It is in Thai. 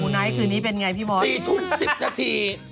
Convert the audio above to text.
หมูไนท์คืนนี้เป็นอย่างไรพี่ม๊อต๔ทุน๑๐นาที